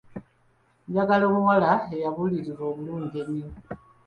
Njagala omuwala eyabuulirirwa obulungi ennyo.